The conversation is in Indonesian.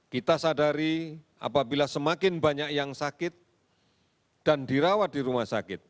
kita sadari apabila semakin banyak yang sakit dan dirawat di rumah sakit